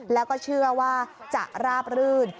แล้วก็เชื่อว่าจะราบรื่น